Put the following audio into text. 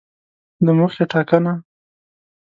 د موخې ټاکنه